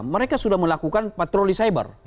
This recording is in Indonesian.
mereka sudah melakukan patroli cyber